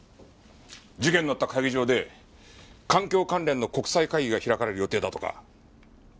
事件のあった会議場で環境関連の国際会議が開かれる予定だとか。